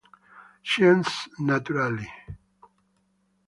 Scienze naturali.